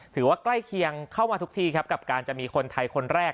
ใกล้เคียงเข้ามาทุกทีครับกับการจะมีคนไทยคนแรก